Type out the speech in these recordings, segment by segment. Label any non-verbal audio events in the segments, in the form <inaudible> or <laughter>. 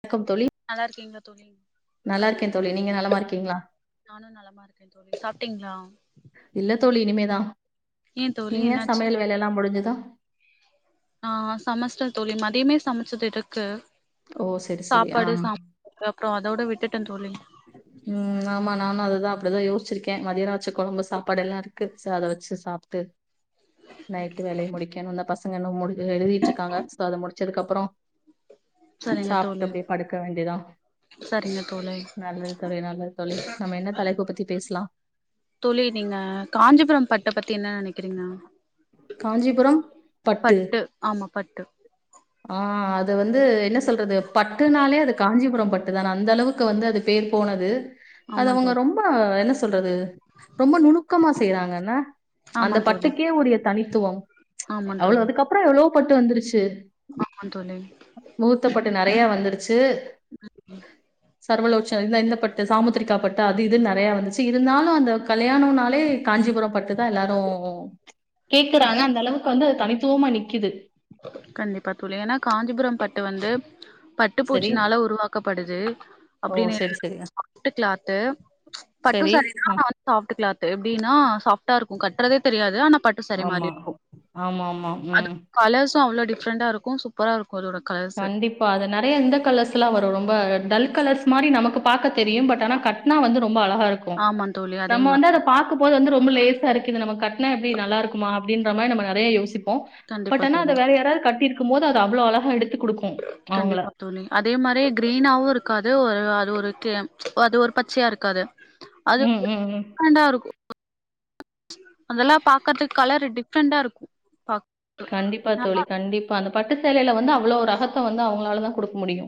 வணக்கம் தோழி நல்லாருக்கீங்களா தோழி நல்லாருக்கேன் தோழி நீங்க நலமாருக்கீங்களா நானும் நலமா இருக்கேன் தோழி சாப்பிட்டீங்களா இல்ல தோழி இனிமேதா தோழி நீங்க என்னாச்சு சமையல் வேலைல்லாம் முடிஞ்சுதா ஆ சமைச்சுட்டே தோழி மதியமே சமைச்சது இருக்கு ஓ சரி சரி ஆ சாப்பாடு ச அப்புறம் அதோட விட்டுட்டேன் தோழி ம் ஆமா நானு அததா அப்படிதா யோச்சிருக்கே மதிய வச்ச குழம்பு சாப்பாடு எல்லா இருக்கு செர் அத வச்சு சாப்ட்டு நைட்டு வேலைய முடிக்கனு இந்த பசங்க இன்னு முடி எழுதி ட்ருக்காங்க சோ அத முடிச்சதுக்கு அப்புற சரிங்க சாப்ட்டு தோழி அப்படியே படுக்க வேண்டியதா சரிங்க தோலே நல்லது தோழி நல்லது தோழி நம்ம என்ன தலைப்ப பத்தி பேசலா தோழி நீங்க காஞ்சிபுரம் பட்ட பத்தி என்ன நினைக்கிறீங்க காஞ்சிபுரம் பட்டு ஆமா பட்டு ஆ அது வந்து என்ன சொல்றது பட்டுனாலே அது காஞ்சிபுரம் பட்டுதான் அந்த அளவுக்கு வந்து அது பேர் போனது அது ஆமா அவுங்க தோழி ரொம்ப என்ன சொல்றது ரொம்ப நுணுக்கமா செய்றாங்க என்ன அந்த ஆமா தோழி பட்டுக்கே உரிய தனித்துவம் ஆமா எவ்வள அதுக்கப்புற எவ்வளோ பட்டு வந்துருச்சு அ ஆ தோழி முகூர்த்தப்பட்டு நறைய வந்துருச்சு ம் சர்வலோக்ச்சன இந்த இந்த பட்டு சாமுத்திரிக்கா பட்டு அது இதுன்னு நிறையா வந்துச்சு இருந்தாலு அந்த கல்யாணம்னாலே காஞ்சிபுரம் பட்டு தா எல்லாரு கேக்குறாங்க அந்த அளவுக்கு வந்து அது தனித்துவமா நிக்குது கண்டிப்பா தோழி ஏன்னா காஞ்சிபுரம் பட்டு வந்து ப பட்டு சரி பூச்சினால உருவாக்கப்படுது அப்டின்னு செரி செரியா ட்டு கிளாத்து பட்டுசாரிதா ஆ சாஃப்ட்டு க்ளாத்து எப்டின்னா சாஃப்டா இருக்கு கட்டுறதே தெரியாது ஆனா பட் டு சரி ஆமா மாரி இருக்கும் ஆமா ஆமா அது ம் கலர்ஸு அவ்ளோ டிஃப்ரண்டா இருக்கு சூப்பரா இருக் அதோட கலர்ஸு இப்ப அது நறைய இந்த கலர்ஸ்லா வரு ரொம்ப டல் கலர்ஸ் மாரி நமக்கு பாக்க தெரியு பட் ஆனா கட்னா வந்து ரொம்ப அழகா இருக்கும் ஆமா தோழி அதே நம்ம வந்து அத மாரிதான் பா க்கும் போது வந்து ரொம்ப லேசா இருக்கு இது நம்ம கட்னா எப்டி நல்ல இருக்குமா அப்டின்ற மாரி நம்ம நறய யோசிப்போ கண்டிப்பா பட் அனா அத தோழி வேற யாராவது கட்டிருக்கும் போது அது அவ்ளோ அழகா எடுத்து குடுக்கு கண்டிப்பா அதே மாரி கிரீனாவு இருக்காது ஒரு அது ஒரு கெ அது ஒரு பச்சையா இருக்காது ம் ம் ம் கிராண்டா இருக்கு அதெல்லா பாக்கறதுக்கு கலர் டிஃப்ரெண்டா இருக்கு பாக்க கண்டிப்பா நல்லா தோழி கண்டிப்பா அந்த பட்டு சேலையில வந்து அவ்ளோ ரகத்த வந்து அவுங்களாலதா குடுக்க முடியு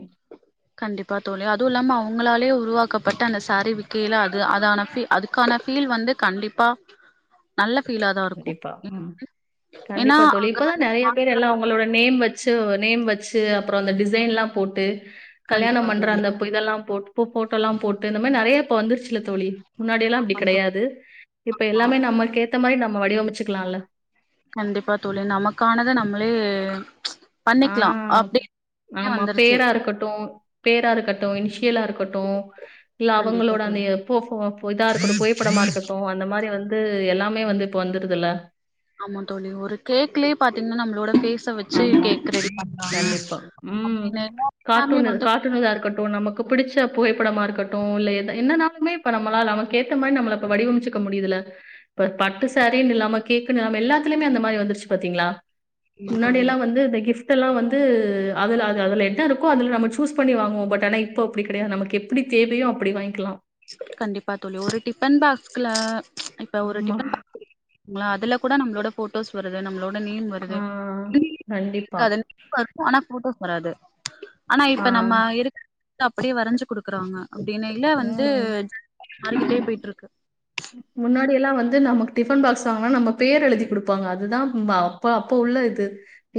கண்டிப்பா தோழி அதுவு இல்லாம அவுங்களாலே உருவாக்கப்பட்ட அந்த சாரீ விக்கில அது அதான ஃபீ அதுக்கான ஃபீல் வந்து கண்டிப்பா நல்ல ஃபீலா தா இருக்கு கண்டிப்பா. ம். ஏனா கண்டிப்பா தோழி. அங்க இப்பதான் வந்து நெறைய பேர் எல்லா உங்களோட நேம் வெச்சு நேம் வெச்சு அப்புறோ அந்த டிசைன்ல்லா போட்டு கண்டிப்பா கல்யாணம் பண்ற தோழி அந்தப் இதெல்லா போட் போட்டோல்லா போட்டு இந்த மாரி நறைய இப்ப வந்துருச்சுல தோழி முன்னாடியெல்லா அப்டி ஆமா தோழி கிடையாது இப்ப ஆ எல்லாமே நம்மக்கேத்த மாரி நம்ம வடிவமைச்சுக்லால்ல கண்டிப்பா தோழி நமக்கானத நம்மளே ஆ பண்ணிக்கலா அப்டின் ஆமா பேரா இருக்கட்டு பேரா இருக்கட்டு இனிஷியலா இருக்கட்டு இல்ல கண்டிப்பா அவுங்களோட அந்த தோழி போஃபோ இதா இருக்கட்டு புகைப்படமா இருக்கட்டு அந்த மாரி வந்து எல்லாமே வந்து இப்ப வந்துருதுல்ல ஆமா தோழி ஒரு கேக்லயே பாத்தீங்கன்னா நம்மளோட ஃபேஸ் முட்ட வச்சு ஆமா, கேக்கு ரெடி பண்றாங்க கண்டிப்பா. அப்டின்னு எல்லா <inaudible> ஃபேமிலியும் வந்து க்கட்டு நமக்கு பிடிச்ச புகைப்படமா இருக்கட்டு இல்ல என்ன என்னனாலுமே இப்ப நம்மளால நமக்கு ஏத்த மாரி நம்மள இப்ப வடிவமச்சு க்க முடியுதல இப்ப பட்டு சாரின் இல்லாம கேக்குனு எல்லாத்தலயுமே அந்த மாரி வந்துருச்சு பாத்தீங்ளா ஆமா தோழி முன்னாடியெல்லா வந்து இந்த கிஃப் ட்டெல்லா வந்து அதுல அது அதுல என்ன இருக்கோ அதுல நம்ம சூஸ் பண்ணி வாங்குவோ பட் ஆனா இப்போ அப்டி கெடயாது நமக்கு எப் ப்டி தேவையோ அப்டி வாய்ங்க்கலா கண்டிப்பா தோழி ஒரு டிஃபன் பாக்ஸ்கல இப்ப ஒரு ஆமா டிஃபன் பாக்ஸ் <inaudible> யா அதுல கூட நம்ளோட போட்டோஸ் வருது நம்ளோட நேம் வருது ஆ இல்லீயே கண்டிப்பா <inaudible> <inaudible> வரும் ஆனா போட்டோஸ் வராது ஆனா ஆ இப்ப நம்ம இருக்கிற <inaudible> அப்டியே வரஞ்சு குடுக்குறாங்க அப்டின்னு இல்ல வந்து ம் <inaudible> போயிட்ருக்கு முன்னாடியெல்லா வந்து நமக்கு டிஃபன் பாக்ஸ் வாங்கனா நம்ப பேர் எழுதி குடுப் ப்பாங்க அதுதா அப்ப அப்ப உள்ள இது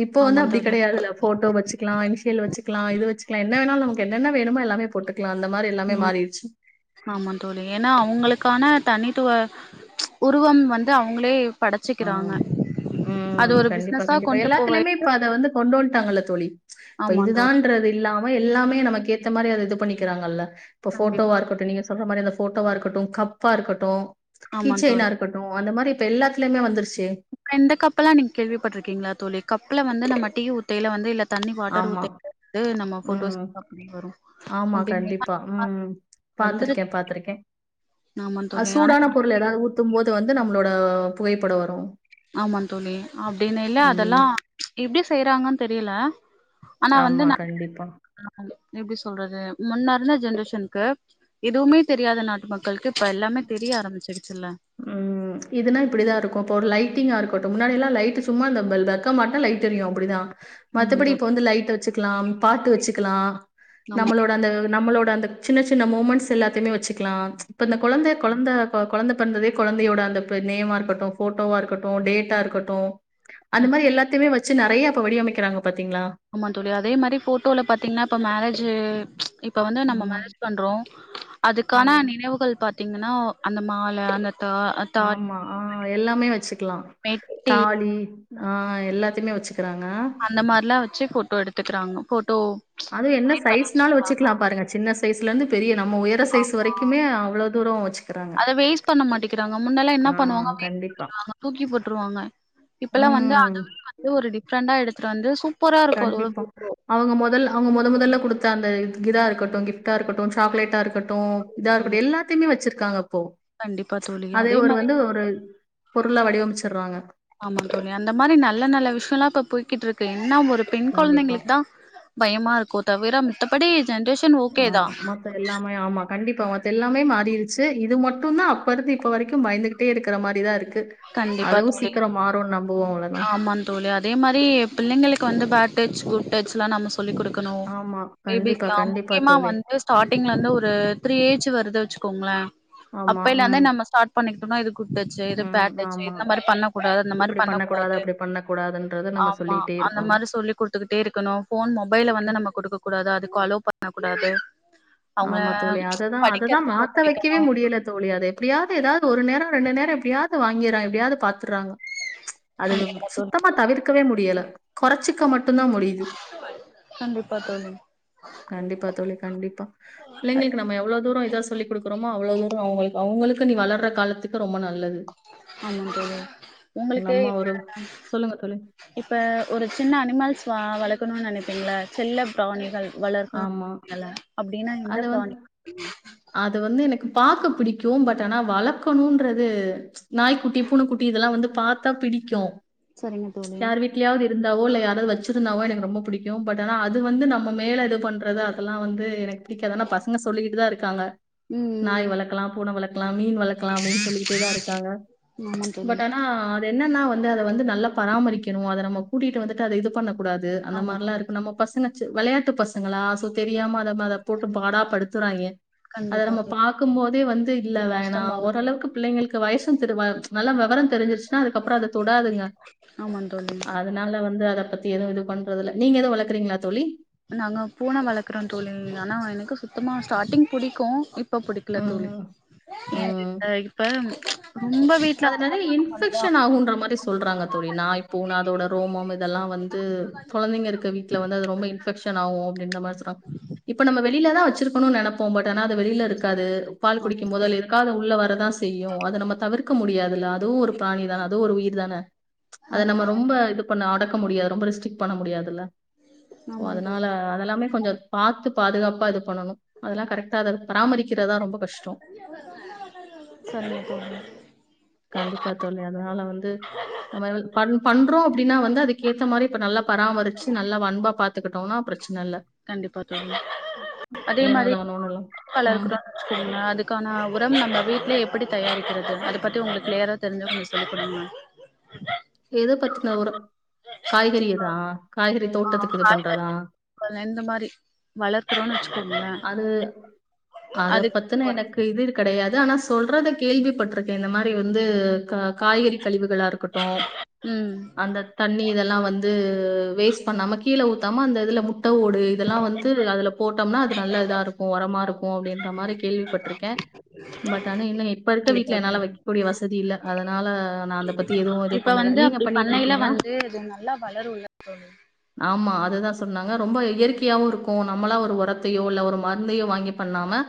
இப்போ ஆமா வந்து அப்டி தோழி கெடயாதுல்ல போட்டோ வச்சுக்லா இனிஷியல் வச்சுக்லா இது வச்சுக்லா என்ன வேணா நமக்கு என்னென்ன வேணுமோ எல்லாமே போட்டு க்லா அந்த மாரி எல்லாமே ம் மாறிடுச்சு ஆமா தோழி ஏன்னா அவங்களுக்கான தனித்துவ உருவம் வந்து அவங்ளே ஆ வச்சுக்கிறாங்க ம் கண்டிப்பா கண்டிப்பா எல்லாத்துலயுமே இப்ப அத வந்து கொண்டு வந்ட்டாங்கல்ல தோழி இப்ப ஆமா தோழி இதுதான்றது இல்லாம எல்லாமே நமக் ஏத்த மாரி அது இது பண்ணிக்கிறாங்கல்ல இப்ப போட்டோவா கண்டிப்பா இருக்கட்டும் நீங்க சொல்ற மாரி அந்த போட்டோ வா இருக்கட்டு கப்பா இருக்கட்டு ஆமா தோழி கீச்செயினா இருக்கட்டு அந்த மாரி இப்ப எல்லா த்துலயுமே வந்துருச்சு எந்த கப்புல்லா நீங்க கேள்விப்பட்ருக்கீங்ளா தோழி கப்புல வந்து நம்ம டீ ஊத்தைல வந்து இல்ல தண்ணி வாட்டர் ஆமா. ஊத்தைலே நம்ம போட்டோஸ் ம். வரு <inaudible> பாத்துருக்க பாத்துருக்க ஆமா அது தோழி ஆனா சூடான பொருள் எதாவ்து ஊத் தும் போது வந்து நம்ளோட புகைப்படோ வரு ஆமாங் தோழி அப்டினு இல்ல ம். அதெல்லா எப்டி செய்றாங்கன் தெரியில ஆனா வந்து ஆமா, <inaudible> கண்டிப்பா. <inaudible> எப்டி சொல்றது முன்ன இருந்த ஜென்ரேஷனுக்கு எதுவுமே தெரியாத நாட்டு மக்கள்க்கு இப்ப எல்லாமே தெரிய ஆரம்பிச்சுடுச்சில்ல ம் இதுனா இப்டிதா இருக்கு தோழி லைட்டிங்கா இருக்கட்டு முன்னாடியெல்லா லைட்டு சும்மா அந்த பல் பல்ப் ப்ப மட்டு லைட் எரியு அப்பிடிதா ஆமா மத்தபடி தோழி இப்ப வந்து லைட் வச்சுக்கலா பாட்டு வச்சுக்கலா ஆமா நம்மளோட அந்த நம்மளோட அந்த சின்ன சின்ன மூமெண்ட்ஸ் எல்லாத்தையுமே வச்சுக்கலா இப்போ அந்த கொழந்த கொழந்த கொ கொழந்த பொந்ததே கொழந்தயோட அந்த நேமா இருக்கட்டு போட்டோவா இருக்கட்டு டேட்டா இருக்கட்டு அந்த மாரி எல்லாத்தையுமே வச்சு நெறைய இப்ப வடிவமைக்கிறாங்க பாத்தீங்ளா ஆமா தோழி அதே மாரி போட்டோல பாத்தீங்ன்னா இப்ப மேரேஜ்ஜு இப்ப வந்து நம்ம ஆமா, மேரேஜ் பண்றோம் அதுக்கான ஆமா. நினைவுகள் பாத்தீங்ன்னா அந்த மால அந்த தா தாலி ஆமா ஆ எல்லாமே வச்சிக்கிலா மெட்டி தாலி ஆ எல்லாத்திமே வச்சுக்கிறாங்க அந்த மாரிலா வச்சி போட்டோ எடுத்துகிறாங்க போட்டோ அது என்ன சைஸ்னாலு வச்சுக்லா பாருங்க சின்ன சைஸ்லந்து பெரிய நம்ம உயர் முட்ட சைஸ் வரைக்குமே அவ்ளோ தூரம் வச்சிகிறாங்க அத வேஸ்ட் பண்ண மாட்டேக்கிறாங்க முன்னெல்லா ஆ என்ன பண்ணுவாங்க வேஸ்ட் கண்டிப்பா பண்ணிடுவாங்க தூக்கி போட்ருவாங்க இப்பல்லா வந்து அத ம். வந்து ஒரு டிஃப்ரெண்டா எடுத்துட்டு வந்து சூப் கண்டிப்பா அவங்க மொதல் அவங்க மொத மொதல்ல குடுத்த அந்த இதா இருக்கட்டும் கிஃப்ட்டா இருக்கட்டும் சாக்லேட்டா இருக்கட்டும் இதா ஃபோட்டோ இருக்கட்டும் எல்லாதையுமே வச்சிருக்காங்க அப்போ கண்டிப்பா தோழி அதே ஒரு மாரி வந்து ஒரு பொருளா வடிவமைச்சிறாங்க ஆமா தோழி அந்த மாரி நல்ல நல்ல விஷயல்லா இப்ப போய்கிட்டு இருக்கு என்ன ஒரு பெண் கண்டிப்பா. குழந்தைங்களுக்கு தா பயமா இருக்கு தவிர மித்தபடி ஜென்ரேஷ் ஆமா மத் த எல்லாமே ஆமா கண்டிப்பா மத்த எல்லாமே மாறிருச்சி இது மட்டு தா அப்ப இருந்து இப்ப வரைக்கு பயந்து கிட்டே இருக்கிற மாரிதா இருக்கு கண்டிப்பா அதுவு தோழி சீக்கிரோ மாறுன் நம்புவோ அவ்ளோதா ஆமா தோழி அதே மாரி பிள்ளைங்களுக்கு வந்து பேட் டச் குட் டச் லா நம்ம சொல்லி குடுக்கனு ஆமா. கண்டிப்பா, பேபிஸ்லா கண்டிப்பா முக்யமா தோழி. வந்து ஸ்டாடிங்லந்து ஒரு த்ரீ ஏஜ் வருது வச்சுக்கோங்கள ஆமா அப்பய்ல இருந்து ம் நம்ம ஸ்டாட் பண்ணிக்கிட்டோனா இது குட்டச் எது ம் பட் டச் ஆமா. இந்த மாரி பண்ணகூடாது அந்த மாரி இப்டி பண்ணக்கூடாது, பண்ணகூடாது அப்டி பண்ணக்கூடாதுன்றத நம்ம ஆமா சொல்லிட்டே அந்த இருக்கணும். மாரி சொல்லி்குடுத்துக்கிட்டே இருக்கணு ஃபோன் மொபைல வந்து நம்ம குடுக்க கூடாது அதுக்கு அலோ பண்ண கூடாது அவங்க ஆமா தோழி அததா அததா படிக்கிறதுக்கு மாத்த வைக்கவே ஒத்துழைக்கணு முடியல தோழி அதை அப்டியாது ஏதாது ஒரு நேரோ ரெண்டு நேரோ எப்டியாது வாங்கிறா எப்டியாது பாத்துறாங்க அது வ கண்டிப்பா தோழி சுத்தமா தவிர்க்கவே முடியல கொறச்சிக்க மட் டுந் தா முடியுது கண்டிப்பா தோழி கண்டிப்பா தோழி கண்டிப்பா பிள்ளைங்களுக்கு நம்ம எவ்ளோ தூரோ இதா சொல்லி குடுக்குறோமோ அவ்ளோ துரோ அவங்க அவங்களுக்கு நீ வளர்ற காலத்துக்கு ரொம்ப நல்லது ஆமா தோழி உங்களுக்கு நம்ம ஒரு எத்தன சொல்லுங்க தோழி. இப்ப ஒரு சின்ன அனிமல்ஸ் வா வளக்கணுன் நெனைபீங்கள செல்ல பிராணிகள் வளர்க்கணு ஆமா. நெனப்பீக்கல்ல அப்டின்னா எந்த அத வந்து பிராணி வளப்பீங்க அது வந்து எனக்கு பாக்க பிடிக்கு பட் ஆனா வளக்கணுன்றது நாய்குட்டி பூனகுட்டி இதெல்லா வந்து பாத்தா பிடிக்கு சரிங்க தோழி எங்கியாது இருந்தாவோ இல்ல யாராது வச்சிருந்தாவோ எனக்கு ரொம்ப பிடிக்கு பட் ஆனா அது வந்து நம்ம மேல இது பண்றது அதெல்லா வந்து எனக்கு பிடிக்காது ஆனா பசங்க சொல்லிகிட்டு தா இருக்காங்க ம் ம் நாய் வளக்கலா பூன வளக்கலா மீன் வளக்கலா அப்டின்னு சொல்லிகிட்டே தா இருக்காங்க ஆமா தோழி பட் ஆனா இப்ப என்னன்னா வந்து அத வந்து நல்லா பராமரிக்கணு அத நம்ம கூட்டிட்டு வந்துட்டு அத இது பண்ணகூடாது அந்த ஆமா மாரிலா தோழி இருக்கு நம்ம பசங்க சி வெளையாட்டு பசங்களா சோ தெரியாம அத மேல போட்டு பாடா படுத்துறாங்க அத கண்டிப்பா நம்ம தோழி பாக்கும் போதே வந்து இல்ல வேணா கஷ்டமா இருக்கு ஓரளவுக்கு பிள்ளைங்களுக்கு வயசு திருவ நல்லா வெவரே தெரிஞ்சிருச்ன்னா அதுக்கப்புறோ அத தொடாதுங்க ஆமா தோழி அதனால வந்து அதைபத்தி எதுவு இது பண்றதுல்ல நீங்க எது வளக்றீங்களா தோழி நாங்க பூன வளக்குறோ தோழி ஆனா எனக்கு சுத்தமா ஸ்டாட்டிங் புடிக்கு இப் இப்ப பிடிக்கல தோழி ம் ம் இ இப்ப ரொம்ப வீட்ல நறைய இன்பெக்ஷன் ஆகுன்ற மாரி சொல்றாங்க தோழி நா இப் பூன அதோட ரோமம் இதெல்லா வந்து கொழந்தைங்க இருக்க விட் ல வந்து அது ரொம்ப இன்பெக்ஷன் ஆவு அப்டின்ற மாரி சொறாங்க இப்ப நம்ம வெளிலதா வச்சிருகணுன் நெனப்போ பட் ஆனா அது வெளில இருக்காது பால் குடிக்கும் போது அது எதுக்காது உள்ள வரதா செய்யு அது நம்ம தவிர்க்க முடியாதுல்ல அதுவு ஒரு ப்ராணி தான அது ஒரு உயிர் தான அத ஆமாம் தோழி ஆமாம் நம்ம தோழி ரொம்ப இது பண்ண அடக்க முடியாது ரொம்ப ரிஸ்ட்ரிக் பண்ண முடியாதுல்ல சோ ஆமாம் அதனால தோழி அதெல்லாமே கொஞ்சோ பாத்து பாதுகாப்பா இது பண்ணணு அதெல்லா கரெக்டா அத பராமரிக்கிறதா ரொம்ப கஷ்டொ சரிங்க தோழி கண்டிப்பா தோழி அதனால வந்து <unintelligible> பன் பண்றோ அப்டின்னா வந்து அதுக்கேத்த மாரி இப்ப நல்லா பராமரிச்சு நல்லான் வன்பா பாத் பத்துக்கிட்டோனா பிரச்ன இல்ல கண்டிப்பா தோழி அதே ஏனோ மாரி <unintelligible> தானோன்னு எல்லாம் ம் ட்டு கொடுங்க அதுக்கான உரம் நம்ம வீட்லே எப்டி தயாரிக்றது அத பத்தி உங்களுக்கு க்ளியராக தெரிஞ்சா கொஞ்ச சொல்லி குடுங்க எத பத்தின ஒரு காய்கறிதா காய்கறி தோட்டத்துக் இந்த மாரி வளர்க்கறோனு வச்சுக்கோங்களே அது அத அதுக் எனக்கு இது கெடையாது ஆனா சொல்றத கேள்விப்பட்ருக்கே இந்த மாரி வந்து காய்கறி கழிவுகளா இருக்கட்டு ம் அந்த தண்ணி இதெல்லா வந்து வேஸ்ட் பண்ணாம கீழ ஊத்தாம அந்த இதில முட்ட ஓடு இதெல்லா வந்து அதில போட்டோம்னா அது நல்ல இதா இருக்கு ஒரமா இருக்கு அப்டின்ற மாரி கேள்விப்பட்ருக்கே பட் ஆனா இன்னு இப்ப இருக்க கண்டிப்பா வீட்ல என்னால தோழி வைக்ககூடிய வசதி இல்ல அதனால நா அத பத்தி எதுவு எது இப்ப வந்து அப்டி பண்ணையில வந்து அது நல்லா வளருள்ள <unintelligible> ஆமா அதுதா சொன்னாங்க ரொம்ப இயற்கையாவு இருக்கு நம்மளா ஒரு உரத் த்தையோ இல்ல ஒரு மருந்தையோ வாங்கி பண்ணாம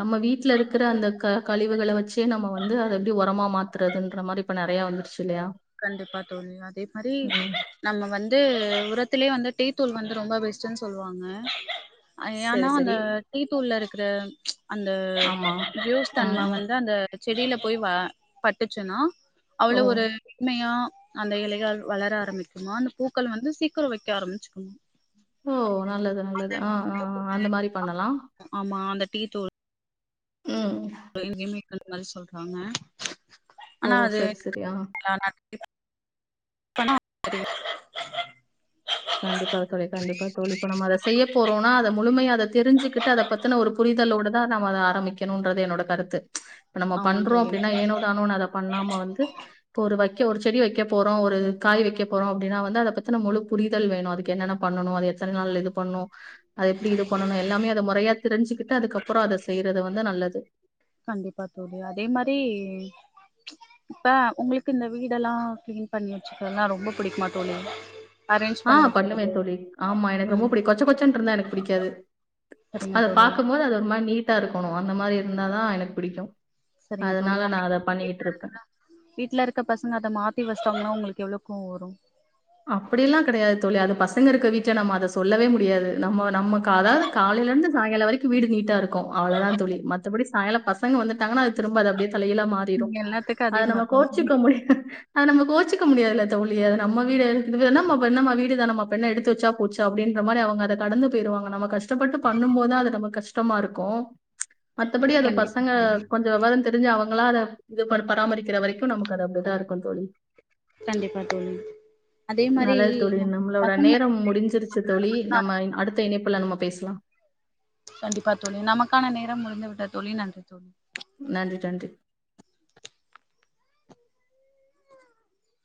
நம்ம வீட்ல இருக்குற அந்த க கழிவுகள வச்சே நம்ம வந்து அத எப்டி ஒரமா மாத்துறதுன்ற மாரி இப்ப நெறையா வந்துருச்சுல்லயா கண்டிப்பா தோழி அதே மாரி நம்ம வந்து உரத்திலே வந்து டீ தூள் வந்து ரொம்ப பெஸ்ட்ன்னு சொல்லுவாங்க ஏனா சரி அந்த சரி டீ தூள்ல இருக்குற அந்த ஆமா ஜூஸ் ம் தன்ம ம் வந்து அந்த செடில போய் வ பட்டுச்சுன்னா அவ்ளோ ஓ ஒரு மெண்மையா அந்த இலையால் வளர ஆரமிக்குமா அந்த பூக்கள் வந்து சீக்கிர வைக்க ஆரமிச்சுக்குமா ஓ நல்லது நல்லது ஆ ஆ அந்த மாரி பண்ணலா ஆமா அந்த டீ தூள் ம் <inaudible> சொல்றாங்க ஓ! ஆனா அது <inaudible> சரி, சரி. ஆ. <inaudible> கண்டிப்பா தோழி கண்டிப்பா தோழி இப்ப நம்ம அத செய்ய போறோனா அத முழுமையா அத தெரிஞ்சுகிட்டு அத பத் த்ன ஒரு புரிதலோடு தா நம ஆரமிக்கணுன்றது என்னோட கருத்து நம்ம ஆமா பண்றோ தோழி அப்டின்னா ஏனோ தானோனு அத பண்ணாம வந்து இப்ப ஒரு வைக்க ஒரு செடி வைக்க போறோ ஒரு காய் வைக்க போறோ அப்டினா வந்து அத பத்தின முழு புரிதல் வேணு அதுக்கு என்னென்ன பண்ணணு அது எத்தன நாள் இது பண்ணு அத எப்டி இது பண்ணணு எல்லாமே அத மொறையா தெரிஞ்சுக்கிட்டு அதுக்கப்றோ அத செய்யறது வந்து நல்லது கண்டிப்பா தோழி அதே மாரி இப்ப உங்களுக்கு இந்த வீடெல்லா க்ளீன் பண்ணி வச்சுக்கிறல்லா ரொம்ப புடிக்குமா தோழி அரேஞ்ச் ஆ பண்ணி பண்ணுவே வைக்கிறது தோழி ஆமா எனக்கு ரொம்ப ம் புடிக்கு கொச்ச கொச்சன்டு இருந்தா எனக்கு புடிக்காது சரிங்க அத தோழி பாக்கும்போது அது ஒரு மாரி நீட்டா இருக்கணு அந்த மாரி இருந்தாதா எனக்கு புடிக்கு சரிங்க தோழி அதனால நா அத பண்ணிக்கிட்டு வீட்ல இருப்பே இருக்கற வீட்ல இருக்க பசங்க அத மாத்தி வச்ட்டாங்கன்னா உங்களுக்கு எவ்ளோ கோவோ வரு அப்படியெல்லா கெடையாது தோழி அது பசங்க இருக்க வீட்ல நம்ம அத சொல்லவே முடியாது நம்ம நமக்கு அதாது காலையில இருந்து சாய்ங்கால வரைக்கு வீடு நீட்டா இருக் கு அவ்வளவுதா தோழி மத்தபடி சாயங்காலோ பசங்க வந்துட்டாங்கன அது திரும்ப அப்டியே தலைகீழா மாறு றிடு எல்லாத்துக்கு அத அதிகமா நம்ம இருக்கு தோழி கோச்சிக்க முடியாதுல அத நம்ம கோச்சிக்க முடியாதுல தோழி அத நம் நம்ம வீடு இது என்னாமா என்னமா வீடு தானேமா இப்ப எடுத்து வச்சா போச்சு அப்டின்ற மாரி அவங்க அத கடந்து போயிருவாங்க நம்ப கஷ் ஷ்டப்பட்டு பண்ணும் போது அது நம்ம கஷ்டமா இருக்கு மத்தபடி அது பசங்க கண்டிப்பா கொஞ் வெவரந் தெரிஞ்சு அவங்களா அத இது பண்ண பராமரிக்கிற வரைக்கு நமக்கு அது அப்டிதா இருக்கு தோழி கண்டிப்பா தோழி அதே மாரி நல்லது தோழி நம் நம்மளோட பசங்கள நேரம் முடிஞ்சிருச்சு தோழி நம்ம அடுத்த இணைப்புல நம்ம பேசலா கண்டிப்பா தோழி நமக்கான நேரம் முடிந்து விட்டது தோழி நன்றி தோழி நன்றி நன்றி